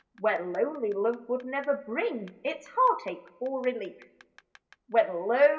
Where lonely love would never bring Its heartache for relief. When, lo